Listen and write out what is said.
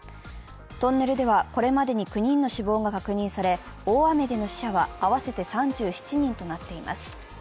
トンネルではこれまでに９人の死亡が確認され、大雨での死者は合わせて３７人となっています。